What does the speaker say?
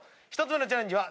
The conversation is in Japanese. １つ目のチャレンジは。